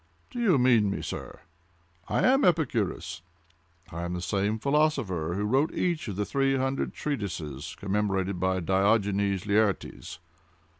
Do you mean me, sir?—I am Epicurus! I am the same philosopher who wrote each of the three hundred treatises commemorated by Diogenes Laertes."